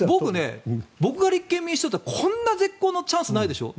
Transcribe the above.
僕が立憲民主党だったらこんな絶好のチャンスないでしょ。